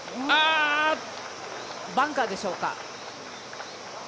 バンカーでしょうか？